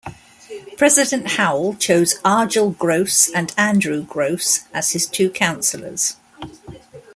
President Howell chose Argel Gross and Andrew Gross as his two counselors.